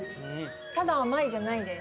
ただ甘いじゃないです。